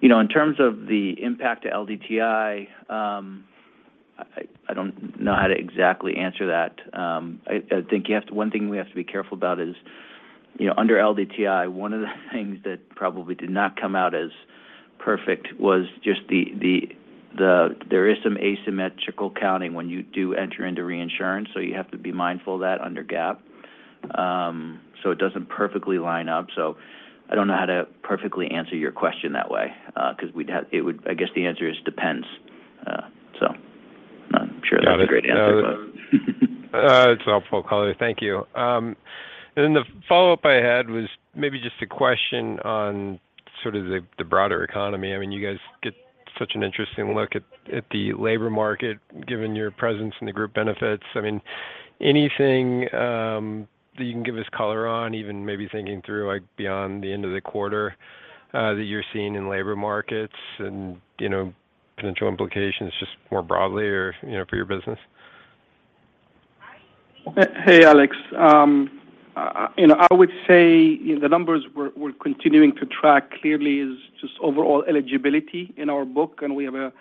You know, in terms of the impact to LDTI, I don't know how to exactly answer that. I think you have to. One thing we have to be careful about is, you know, under LDTI, one of the things that probably did not come out as perfect was just the there is some asymmetrical counting when you do enter into reinsurance, so you have to be mindful of that under GAAP. So it doesn't perfectly line up. I don't know how to perfectly answer your question that way, 'cause it would. I guess the answer is depends. Not sure that's a great answer. Got it. It's helpful, John. Thank you. The follow-up I had was maybe just a question on sort of the broader economy. I mean, you guys get such an interesting look at the labor market, given your presence in the Group Benefits. I mean, anything that you can give us color on, even maybe thinking through, like, beyond the end of the quarter, that you're seeing in labor markets and, you know, potential implications just more broadly or, you know, for your business? Hey, Alex. You know, I would say the numbers we're continuing to track clearly is just overall eligibility in our book, and we have a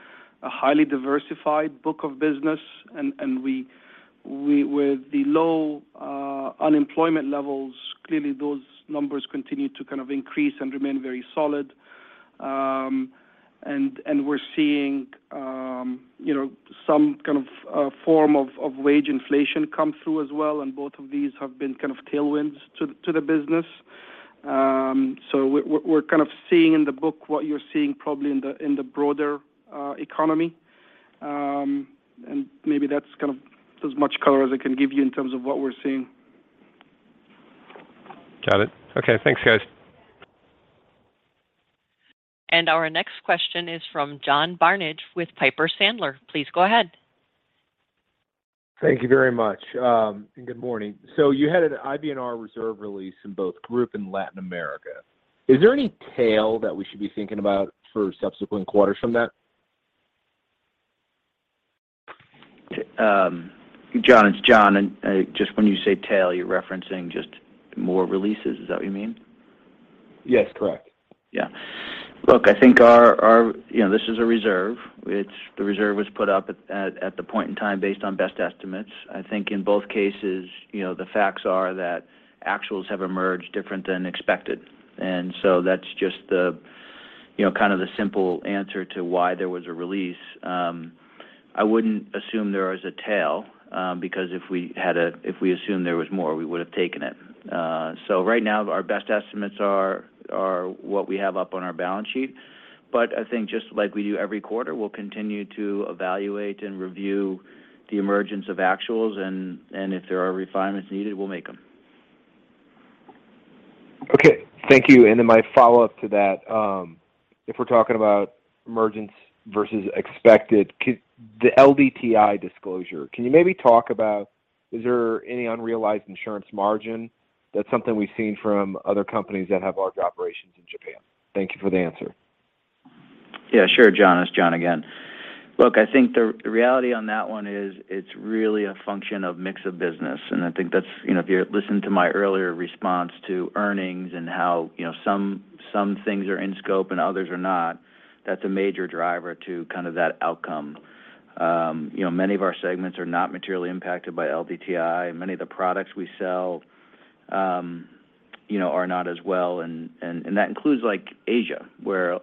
highly diversified book of business. And with the low unemployment levels, clearly those numbers continue to kind of increase and remain very solid. And we're seeing, you know, some kind of form of wage inflation come through as well, and both of these have been kind of tailwinds to the business. So we're kind of seeing in the book what you're seeing probably in the broader economy. And maybe that's kind of as much color as I can give you in terms of what we're seeing. Got it. Okay. Thanks, guys. And our next question is from John Barnidge with Piper Sandler. Please go ahead. Thank you very much, and good morning. So you had an IBNR reserve release in both Group and Latin America. Is there any tail that we should be thinking about for subsequent quarters from that? John, it's John, and just when you say tail, you're referencing just more releases. Is that what you mean? Yes, correct. Yeah. Look, I think our, out you know this is a reserve. It's the reserve was put up at the point in time based on best estimates. I think in both cases, you know, the facts are that actuals have emerged different than expected. And so that's just the you know kind of the simple answer to why there was a release. I wouldn't assume there is a tail because if we assumed there was more, we would have taken it. So right now our best estimates are what we have up on our balance sheet. But I think just like we do every quarter, we'll continue to evaluate and review the emergence of actuals and if there are refinements needed, we'll make them. Okay. Thank you. And then my follow-up to that, if we're talking about emergence versus expected, the LDTI disclosure, can you maybe talk about is there any unrealized insurance margin? That's something we've seen from other companies that have large operations in Japan. Thank you for the answer. Yeah, sure, John. It's John again. Look, I think the reality on that one is it's really a function of mix of business. And I think that's, you know, if you listen to my earlier response to earnings and how, you know, some things are in scope and others are not, that's a major driver to kind of that outcome. You know, many of our segments are not materially impacted by LDTI. Many of the products we sell, you know, are not as well and that includes like Asia, where,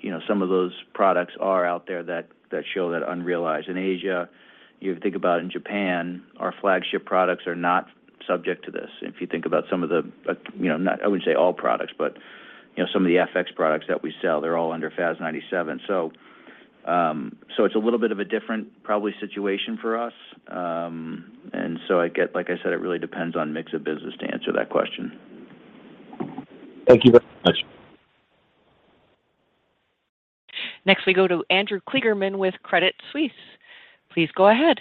you know, some of those products are out there that show that unrealized. In Asia, you have to think about in Japan, our flagship products are not subject to this. If you think about some of the, but you know, I wouldn't say all products, but you know, some of the FX products that we sell, they're all under FAS 97. So, so it's a little bit of a different probably situation for us. I get, like I said, it really depends on mix of business to answer that question. Thank you very much. Next, we go to Andrew Kligerman with Credit Suisse. Please go ahead.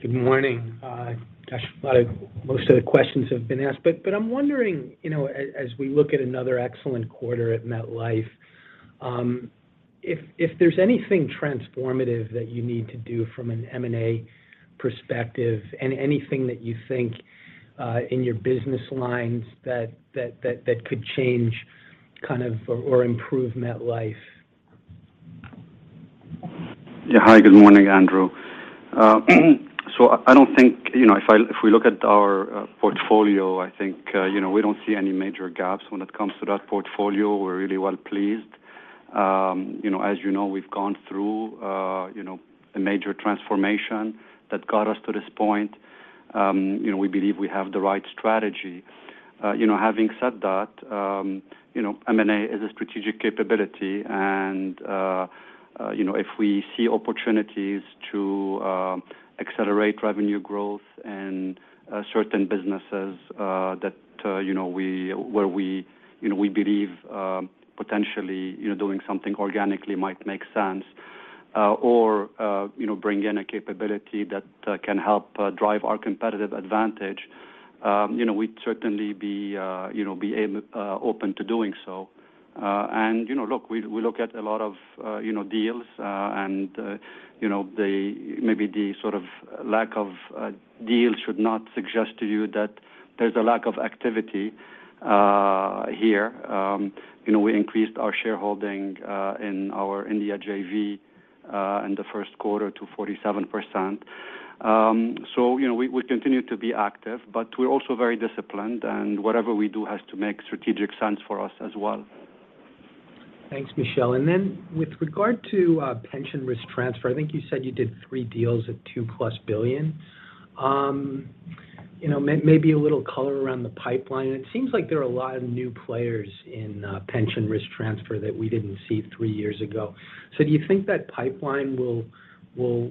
Good morning. Gosh, a lot of, most of the questions have been asked, but I'm wondering, you know, as we look at another excellent quarter at MetLife, if there's anything transformative that you need to do from an M&A perspective and anything that you think in your business lines that could change kind of or improve MetLife. Yeah. Hi. Good morning, Andrew. So I don't think, you know, if we look at our portfolio, I think you know we don't see any major gaps when it comes to that portfolio. We're really well pleased. You know, as you know, we've gone through you know a major transformation that got us to this point. You know, we believe we have the right strategy. You know, having said that, you know, M&A is a strategic capability and, you know, if we see opportunities to accelerate revenue growth in certain businesses, that you know we believe potentially you know doing something organically might make sense, or you know bring in a capability that can help drive our competitive advantage, you know, we'd certainly be you know open to doing so. And, you know, look, we look at a lot of you know deals, and you know the maybe the sort of lack of deals should not suggest to you that there's a lack of activity here. You know, we increased our shareholding in our India JV in the Q1 to 47%. So, you know, we continue to be active, but we're also very disciplined, and whatever we do has to make strategic sense for us as well. Thanks, Michel. And then with regard to Pension Risk Transfer, I think you said you did three deals at $2+ billion. You know, maybe a little color around the pipeline. It seems like there are a lot of new players in Pension Risk Transfer that we didn't see three years ago. So do you think that pipeline will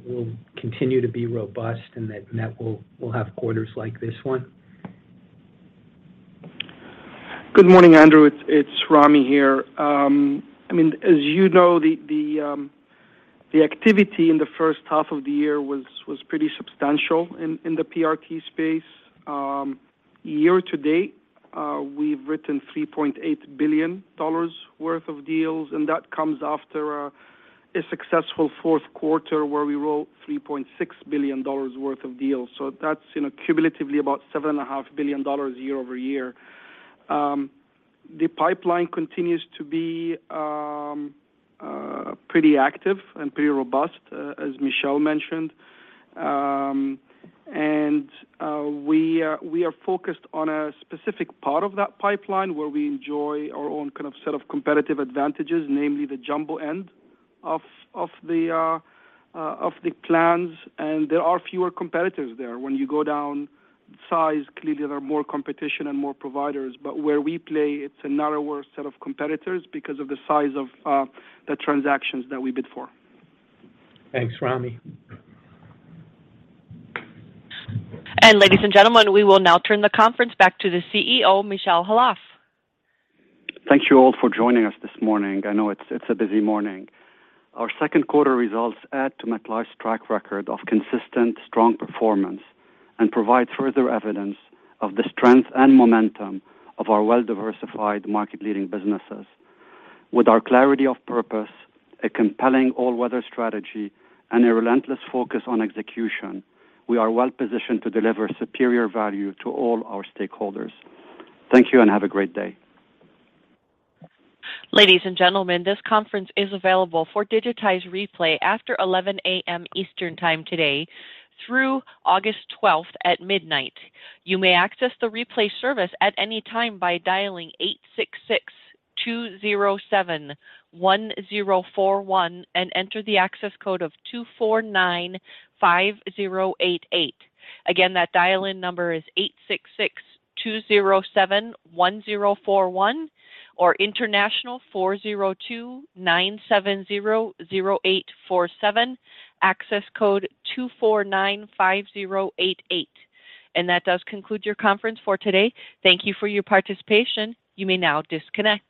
continue to be robust and that Met will have quarters like this one? Good morning, Andrew. It's, it's Ramy here. I mean, as you know, the activity in the first half of the year was pretty substantial in the PRT space. Year to date, we've written $3.8 billion worth of deals, and that comes after a successful Q4 where we wrote $3.6 billion worth of deals. So That's, you know, cumulatively about $7.5 billion year-over-year. The pipeline continues to be pretty active and pretty robust, as Michel mentioned. And we are focused on a specific part of that pipeline where we enjoy our own kind of set of competitive advantages, namely the jumbo end of the plans, and there are fewer competitors there. When you go down in size, clearly there are more competition and more providers. But where we play, it's a narrower set of competitors because of the size of the transactions that we bid for. Thanks, Ramy. And ladies and gentlemen, we will now turn the conference back to the CEO, Michel Khalaf. Thank you all for joining us this morning. I know it's a busy morning. Our Q2 results add to MetLife's track record of consistent strong performance and provide further evidence of the strength and momentum of our well-diversified market-leading businesses. With our clarity of purpose, a compelling all-weather strategy, and a relentless focus on execution, we are well-positioned to deliver superior value to all our stakeholders. Thank you and have a great day. Ladies and gentlemen, this conference is available for digitized replay after 11 A.M. Eastern time today through August 12 at midnight. You may access the replay service at any time by dialing 866-207-1041 and enter the access code of 249-5088. Again, that dial-in number is 866-207-1041 or international 402-970-0847, access code 249-5088. And that does conclude your conference for today. Thank you for your participation. You may now disconnect.